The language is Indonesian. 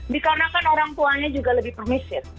dikarenakan orang tuanya juga lebih permisif